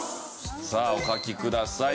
さあお書きください。